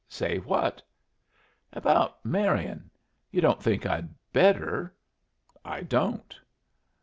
"Say what?" "About marrying. Yu' don't think I'd better." "I don't."